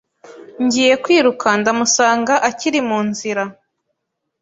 Ngiye kwiruka ndamusanga akiri munzira